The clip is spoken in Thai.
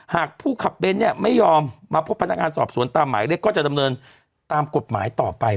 หากผู้ขับเบนท์เนี่ยไม่ยอมมาพบพนักงานสอบสวนตามหมายเรียกก็จะดำเนินตามกฎหมายต่อไป